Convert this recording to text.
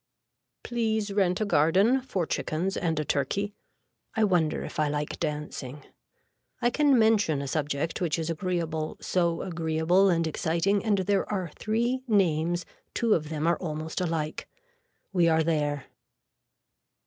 Please rent a garden for chickens and a turkey. I wonder if I like dancing. I can mention a subject which is agreeable so agreeable and exciting and there are three names two of them are almost alike. We are there.